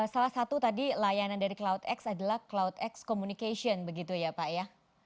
salah satu tadi layanan dari cloudx adalah cloudx communication begitu ya pak ya